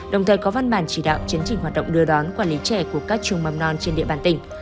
đồng thời có văn bản chỉ đạo chấn trình hoạt động đưa đón quản lý trẻ của các trường mầm non trên địa bàn tỉnh